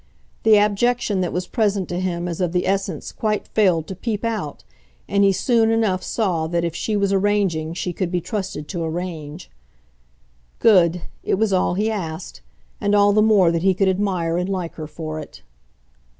The abjection that was present to him as of the essence quite failed to peep out, and he soon enough saw that if she was arranging she could be trusted to arrange. Good it was all he asked; and all the more that he could admire and like her for it.